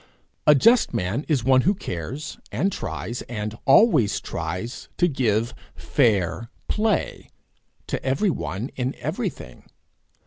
A just man is one who cares, and tries, and always tries, to give fair play to everyone in every thing.